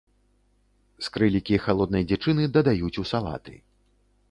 Скрылікі халоднай дзічыны дадаюць у салаты.